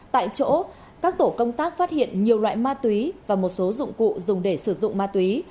tại chỗ các tổ công tác phát hiện nhiều loại ma túy và một số dụng cụ dùng để sử dụng ma túy